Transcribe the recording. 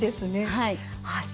はい。